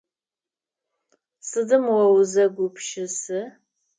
Сыдым о узэгъупщысы?